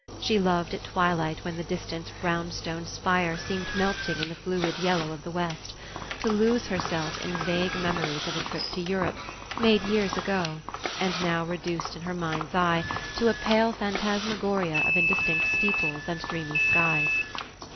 She loved, at twilight, when the distant brown stone spire seemed melting in the fluid yellow of the west, to lose herself in vague memories of a trip to Europe, made years ago, and now reduced in her mind's eye to a pale phantasmagoria of indistinct steeples and dreamy skies.